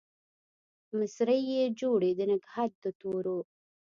مسرۍ يې جوړې د نګهت د تورو